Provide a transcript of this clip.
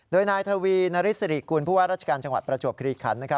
โดยนายทวีนริสริกุลผู้ว่าราชการจังหวัดประจวบคลีคัน